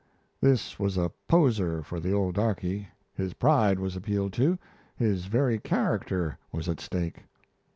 This was a poser for the old darkey; his pride was appealed to, his very character was at stake.